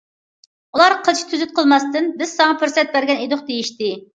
ئۇلار قىلچە تۈزۈت قىلماستىن بىز ساڭا پۇرسەت بەرگەن ئىدۇق دېيىشتى.